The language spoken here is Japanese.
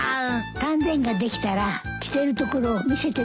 丹前ができたら着てるところを見せてね。